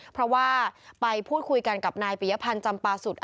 เพราะว่าไปพูดคุยกันกับนายปิยพันธ์จำปาสุด